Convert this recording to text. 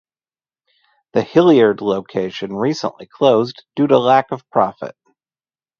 The Hilliard location recently closed due to lack of profit.